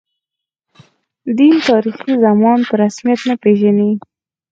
دین، تاریخي زمان په رسمیت نه پېژني.